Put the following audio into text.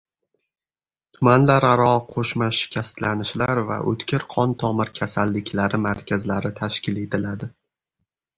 Tumanlararo qo‘shma shikastlanishlar va o‘tkir qon-tomir kasalliklari markazlari tashkil etiladi